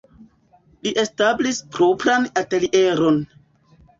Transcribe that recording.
Li establis propran atelieron.